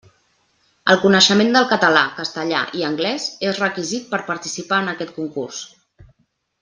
El coneixement del català, castellà i anglès és requisit per participar en aquest concurs.